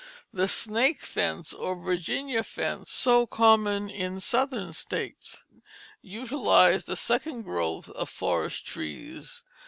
The "snake fence," or "Virginia fence," so common in the Southern states, utilized the second growth of forest trees.